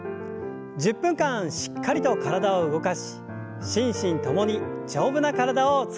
１０分間しっかりと体を動かし心身ともに丈夫な体を作りましょう。